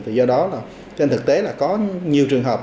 thì do đó là trên thực tế là có nhiều trường hợp